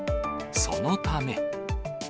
そのため。